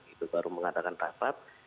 itu baru mengadakan rapat